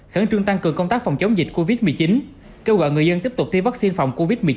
khẳng trương tăng cường công tác phòng chống dịch covid một mươi chín kêu gọi người dân tiếp tục thi vắc xin phòng covid một mươi chín